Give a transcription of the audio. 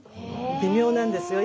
微妙なんですよ。